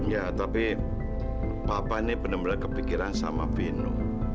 ya tapi papa ini bener bener kepikiran sama vino